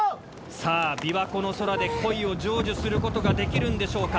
さあ琵琶湖の空で恋を成就する事が出来るんでしょうか。